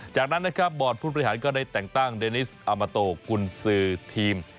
จากนั้นนะครับบอร์ดผู้บริหารก็ได้แต่งตั้งเดนิสอามาโตกุญสือทีม